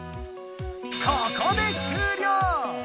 ここで終了！